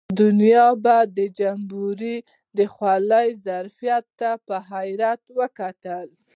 دنیا به د جمبوري د خولې ظرفیت ته په حیرت وکتل.